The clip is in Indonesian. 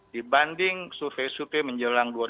dibanding survei survei menjelang dua ribu sembilan belas